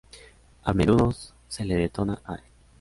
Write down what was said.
A menudo se le denota "I".